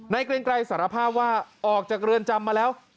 เกรงไกรสารภาพว่าออกจากเรือนจำมาแล้ว